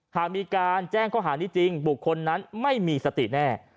หากมีการแจ้งข้อหานี้จริงบุคคลนั้นไม่มีสติแน่